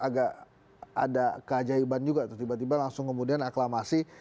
agak ada keajaiban juga tuh tiba tiba langsung kemudian aklamasi